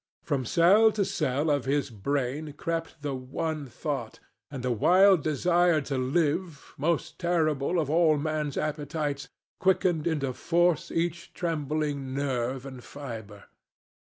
From cell to cell of his brain crept the one thought; and the wild desire to live, most terrible of all man's appetites, quickened into force each trembling nerve and fibre.